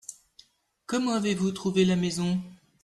Comment avez-vous trouver la maison ?